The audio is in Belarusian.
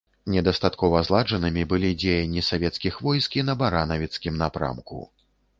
Недастаткова зладжанымі былі дзеянні савецкіх войск і на баранавіцкім напрамку.